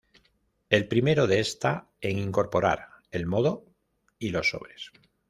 El primero de esta en incorporar el modo y los sobres.